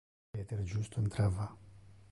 Peter justo entrava.